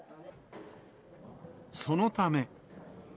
そのため。